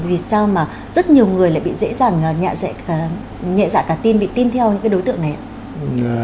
vì sao mà rất nhiều người lại bị dễ dàng nhẹ dạ cả tin bị tin theo những cái đối tượng này ạ